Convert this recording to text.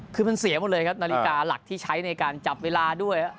คือมันเสียหมดเลยครับนาฬิกาหลักที่ใช้ในการจับเวลาด้วย